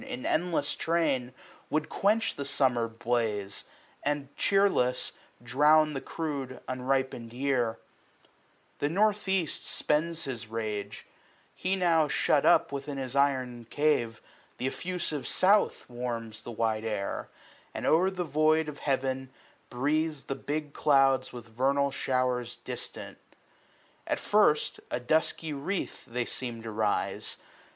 In endless train, would quench the summer blaze, 140 And, chearless, drown the crude unripened year, The North east spends his rage ; he now Ihut up Within his iron cave, th' efiusive South Warms the wide air ; and o'er the void of heaven Breathesthebigcloudswithvemalshowersdistent. 145 At first a dusky wreath they seem to rise.